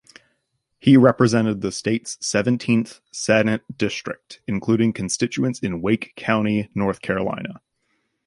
He represented the state's seventeenth Senate district, including constituents in Wake County, North Carolina.